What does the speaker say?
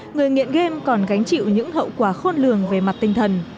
người nghiện game còn gánh chịu những hậu quả khôn lường về mặt tinh thần